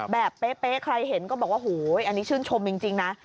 เป๊ะใครเห็นก็บอกว่าโหอันนี้ชื่นชมจริงนะ